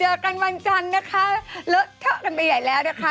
เจอกันวันจันทร์นะคะเลอะเทอะกันไปใหญ่แล้วนะคะ